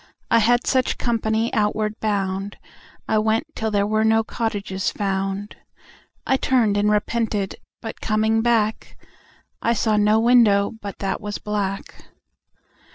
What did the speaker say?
I had such company outward bound. I went till there were no cottages found. I turned and repented, but coming back I saw no window but that was black.